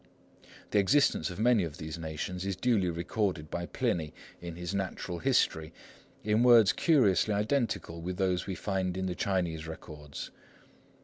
The existence of many of these nations is duly recorded by Pliny in his Natural History, in words curiously identical with those we find in the Chinese records.